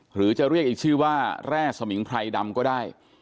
หรือจะเรียกอีกชื่อว่าแร่สมิงไพรดำก็ได้